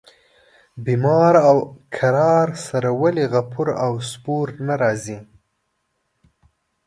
بیمار او قرار سره ولي غفور او سپور نه راځي.